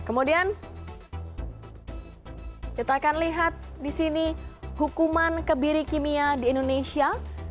kemudian kita akan lihat di sini hukuman kebiri kimia di indonesia